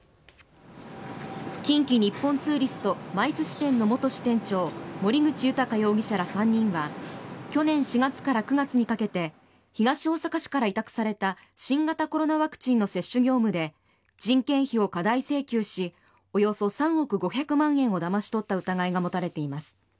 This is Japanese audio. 近畿日本ツーリストＭＩＣＥ支店の元支店長森口裕容疑者ら３人は去年４月から９月にかけて東大阪市から委託された新型コロナワクチンの接種業務で人件費を過大請求しおよそ３億５００万円をだまし取った疑いが持たれています。